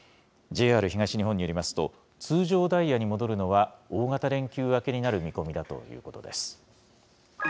ＪＲ東日本によりますと、通常ダイヤに戻るのは、大型連休明けになる見込みだということです。